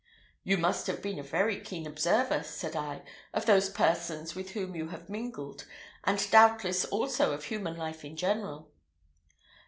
"You must have been a very keen observer," said I, "of those persons with whom you have mingled, and doubtless also of human life in general."